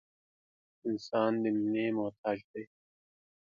• انسان د مینې محتاج دی.